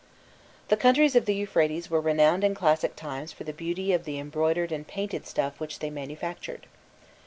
The countries of the Euphrates were renowned in classic times for the beauty of the embroidered and painted stuffs which they manufactured.